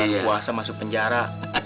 buat puasa masuk penjara